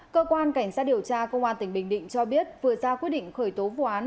cơ quan cảnh sát điều tra công an tỉnh bình định cho biết vừa ra quyết định khởi tố vụ án